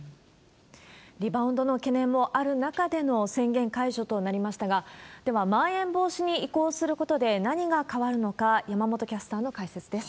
リバウンドの懸念もある中での宣言解除となりましたが、ではまん延防止に移行することで何が変わるのか、山本キャスターの解説です。